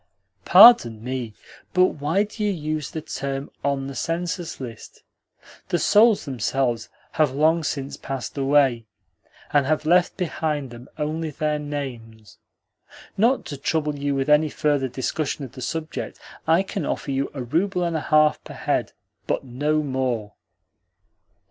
"Pardon me, but why do you use the term 'on the census list'? The souls themselves have long since passed away, and have left behind them only their names. Not to trouble you with any further discussion of the subject, I can offer you a rouble and a half per head, but no more."